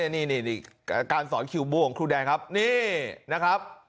นี่การสอนคิวบัวของครูแดงครับนี่นะครับ